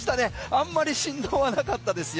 あんまり振動はなかったですよ。